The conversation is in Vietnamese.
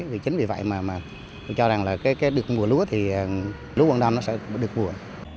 vì chính vì vậy mà tôi cho rằng là cái được mùa lúa thì lúa quảng nam nó sẽ được mùa